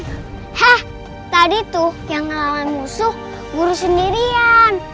hah tadi tuh yang melawan musuh guru sendirian